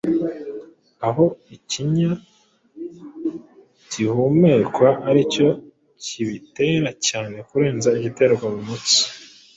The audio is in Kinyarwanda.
aho ikinya gihumekwa aricyo kibitera cyane kurenza igiterwa mu mutsi.